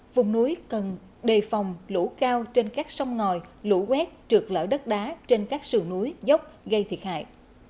vùng núi cần đề phòng lũ cao trên các sông ngòi lũ quét trượt lở đất đá trên các sườn núi dốc gây thiệt hại